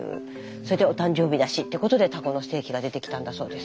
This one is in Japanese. それでお誕生日だしってことでタコのステーキが出てきたんだそうです。